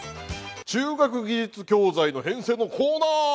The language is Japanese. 中学技術教材の変遷のコーナー！